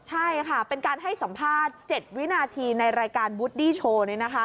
ใช่ค่ะเป็นการให้สัมภาษณ์๗วินาทีในรายการวูดดี้โชว์